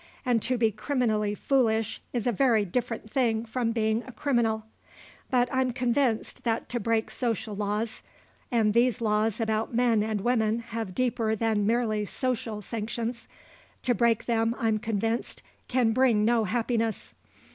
And to be criminally foolish is a very different thing from being a criminal. But I'm convinced that to break social laws and these laws about men and women have deeper than merely social sanctions to break them, I'm convinced, can bring no happiness.